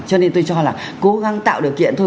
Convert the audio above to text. cho nên tôi cho là cố gắng tạo điều kiện thôi